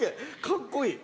かっこいい。